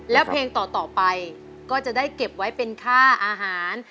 แล้วเพลงต่อไปก็จะได้เก็บไว้เป็นค่าอาหาร